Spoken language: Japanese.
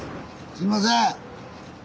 すいません！